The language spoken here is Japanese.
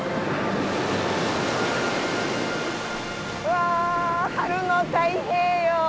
わ春の太平洋！